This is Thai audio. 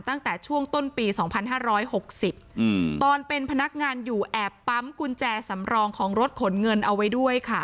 ตั้งแต่ช่วงต้นปีสองพันห้าร้อยหกสิบอืมตอนเป็นพนักงานอยู่แอบปั๊มกุญแจสำรองของรถขนเงินเอาไว้ด้วยค่ะ